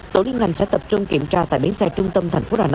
tổ liên ngành sẽ tập trung kiểm tra tại bến xe trung tâm thành phố